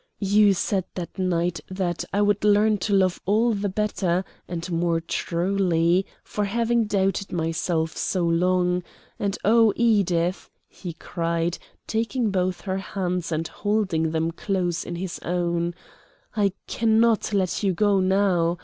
You said that night that I would learn to love all the better, and more truly, for having doubted myself so long, and, oh, Edith," he cried, taking both her hands and holding them close in his own, "I cannot let you go now!